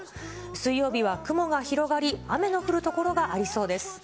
水曜日は雲が広がり、雨の降る所がありそうです。